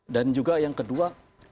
dan juga yang kedua